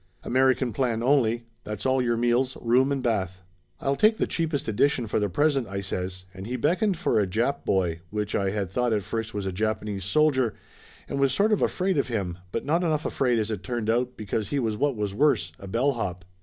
"American plan only. That's all your meals, room and bath." "I'll take the cheapest edition for the present," I says, and he beckoned for a Jap boy which I had thought at first was a Japanese soldier and was sort of afraid of him, but not enough afraid as it turned out, because he was what was worse, a bellhop.